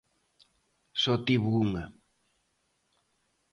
Só tivo unha.